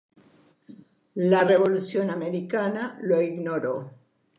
La Revolución Americana lo ignoró.